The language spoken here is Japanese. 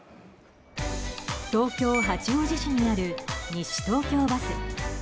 東京・八王子市にある西東京バス。